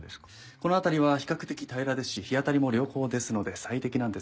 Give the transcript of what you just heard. この辺りは比較的平らですし日当たりも良好ですので最適なんです。